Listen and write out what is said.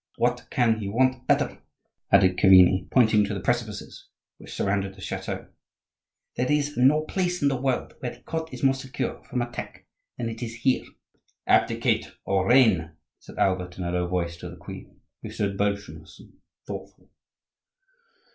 What can he want better?" added Chiverni, pointing to the precipices which surrounded the chateau. "There is no place in the world where the court is more secure from attack than it is here." "Abdicate or reign," said Albert in a low voice to the queen, who stood motionless and thoughtful.